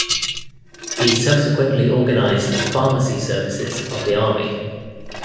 He subsequently organised the pharmacy services of the army.